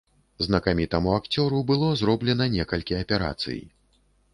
Знакамітаму акцёру было зроблена некалькі аперацый.